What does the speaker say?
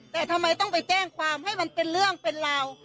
แต่ทำไมต้องไปแจ้งความให้มันเป็นเรื่องเป็นราว